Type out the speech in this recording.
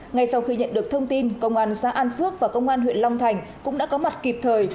ngay sau khi nhận được thông tin công an xã an phước và công an huyện long thành cũng đã có mặt kịp thời